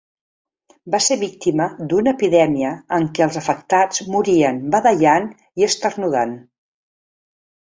Va ser víctima d'una epidèmia en què els afectats morien badallant i esternudant.